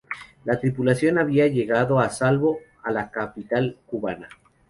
La tripulación había llegado a salvo a la capital cubana.